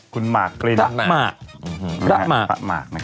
คุณมาร์กรินทะมากนะครับ